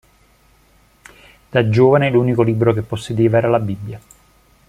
Da giovane l'unico libro che possedeva era la Bibbia.